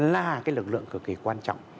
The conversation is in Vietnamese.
là cái lực lượng cực kỳ quan trọng